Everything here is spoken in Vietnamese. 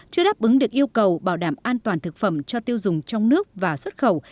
chưa đáp ứng được yêu cầu bảo đảm an toàn thực phẩm cho tiêu dùng trong nước và xuất khẩu